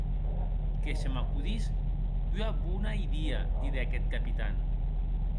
Que se m’acodís ua bona idia, didec eth Capitan.